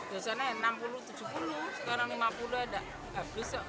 biasanya enam puluh tujuh puluh sekarang lima puluh habis